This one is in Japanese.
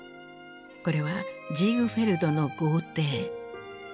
これはジーグフェルドの豪邸。